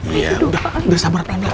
iya udah samar pelan pelan